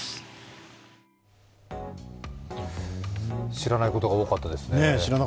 知らないことが多かったですね。